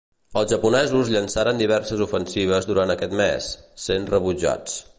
Els japonesos llançaren diverses ofensives durant aquell mes, sent rebutjats.